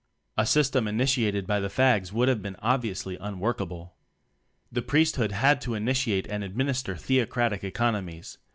A system initiated by the "fags" would have been obviously un workable. The priesthood had to initiate and administer theocratic eco nomics.